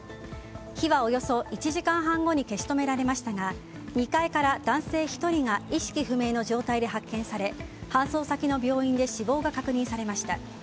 火はおよそ１時間半後に消し止められましたが２階から男性１人が意識不明の状態で発見され搬送先の病院で死亡が確認されました。